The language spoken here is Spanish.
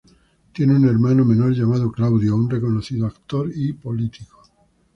Tiene un hermano menor, llamado Claudio, un reconocido actor y político.